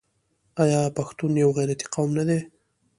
آیا پښتون یو غیرتي قوم نه دی؟